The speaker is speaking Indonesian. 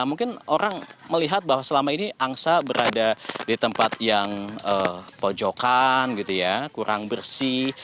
mungkin orang melihat bahwa selama ini angsa berada di tempat yang pojokan gitu ya kurang bersih